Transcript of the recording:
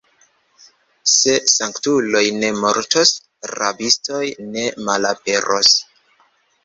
Se sanktuloj ne mortos, rabistoj ne malaperos.